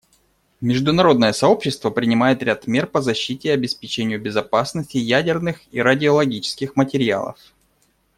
Международное сообщество принимает ряд мер по защите и обеспечению безопасности ядерных и радиологических материалов.